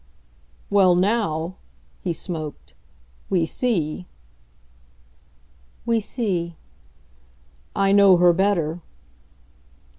"Well NOW," he smoked, "we see." "We see." "I know her better."